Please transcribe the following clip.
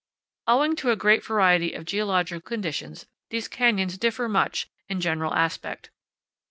Owing to a great variety of geological conditions, these canyons differ much in general aspect.